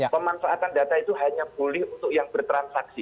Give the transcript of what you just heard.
pemanfaatan data itu hanya boleh untuk yang bertransaksi